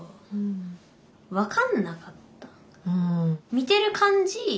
見てる感じ